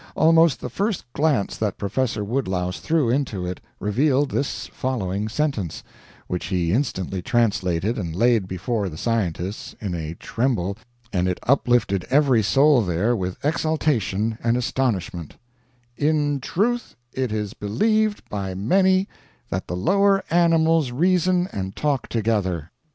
Almost the first glance that Professor Woodlouse threw into it revealed this following sentence, which he instantly translated and laid before the scientists, in a tremble, and it uplifted every soul there with exultation and astonishment: "In truth it is believed by many that the lower animals reason and talk together."